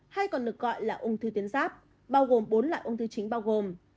hay còn được gọi là ung thư tuyến giáp bao gồm bốn loại ung thư chính bao gồm